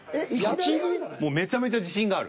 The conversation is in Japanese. もうめちゃめちゃ自信がある。